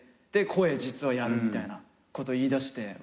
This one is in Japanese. で声実はやるみたいなこと言いだして。